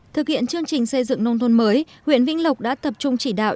thực hiện chương trình xây dựng nông thôn mới huyện vĩnh lộc đã tập trung chỉ đạo